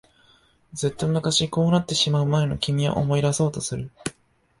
ずっと昔、こうなってしまう前の君を思い出そうとする。